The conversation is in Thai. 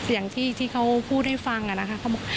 อย่างที่เขาพูดให้ฟังอะนะคะ